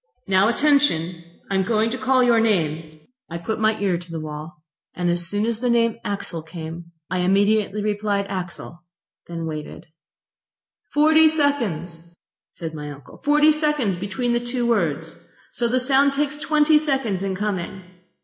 ...... "Now, attention. I am going to call your name." .... I put my ear to the wall, and as soon as the name 'Axel' came I immediately replied "Axel," then waited. .... "Forty seconds," said my uncle. "Forty seconds between the two words; so the sound takes twenty seconds in coming.